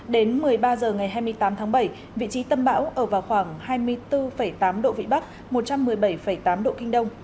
đến một mươi ba h ngày hai mươi tám tháng bảy vị trí tâm bão ở vào khoảng hai mươi km trên giờ